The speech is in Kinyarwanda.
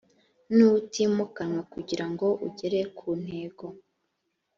n uwutimukanwa kugira ngo ugere ku ntego